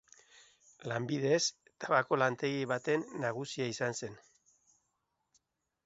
Lanbidez tabako lantegi baten nagusia izan zen.